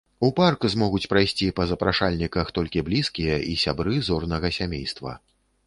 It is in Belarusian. У парк змогуць прайсці па запрашальніках толькі блізкія і сябры зорнага сямейства.